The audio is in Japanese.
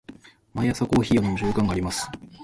毎朝コーヒーを飲む習慣があります。